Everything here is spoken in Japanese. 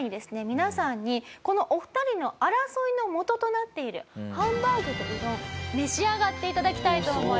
皆さんにこのお二人の争いのもととなっているハンバーグとうどん召し上がって頂きたいと思います。